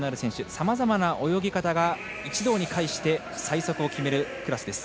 さまざまな泳ぎ方が一堂に会して最速を決めるクラスです。